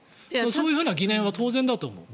そういう疑念は当然だと思う。